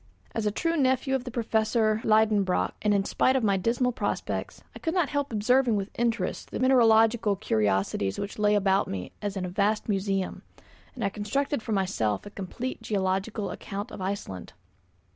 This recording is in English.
As a true nephew of the Professor Liedenbrock, and in spite of my dismal prospects, I could not help observing with interest the mineralogical curiosities which lay about me as in a vast museum, and I constructed for myself a complete geological account of Iceland.